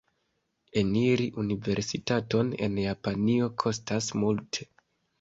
Eniri universitaton en Japanio kostas multe.